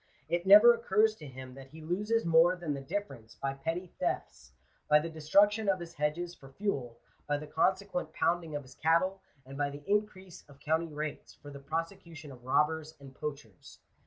It never occurs to him that he loses more than the difference by petty thefts, by the destruction of his hedges for fuel, by the consequent pounding of his cattle, and by the increase of county rates, for the prosecution of robbers and poachers.